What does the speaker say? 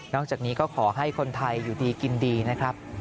จากนี้ก็ขอให้คนไทยอยู่ดีกินดีนะครับ